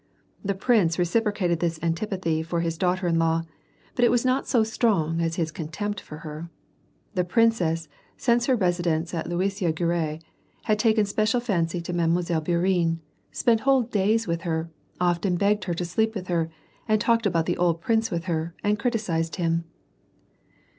The prince reciprocated this antipathy for his daughter in law, but it was not so strong as his contempt for her. The princess, since her residence at Luisiya Goinii, had taken a special fancy to Mile. Bourienne, spent whole days with her, often begged her to sleep with her, and talked about the old prince with her and criticised him.